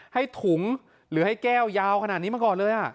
ให้ถุงหรือให้แก้วยาวขนาดนี้มาก่อนเลย